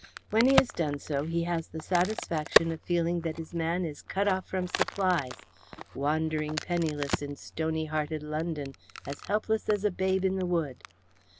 When he has done so he has the satisfaction of feeling that his man is cut off from supplies, wandering penniless in stony hearted London, as helpless as a babe in the wood.